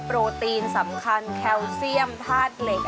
โปรตีนสำคัญแคลเซียมธาตุเหล็ก